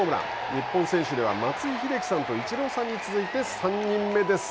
日本選手では、松井秀喜さんとイチローさんに続いて３人目です。